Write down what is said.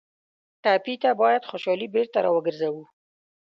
ټپي ته باید خوشالي بېرته راوګرځوو.